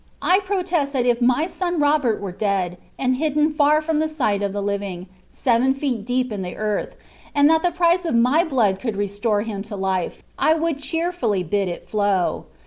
I protest that if my son Robert were dead, and hidden far from Uk •iglii u{ the living, seven feel deep in the earth, and that the price of my bluud could restore him to life, I would cheerfully bid it flow.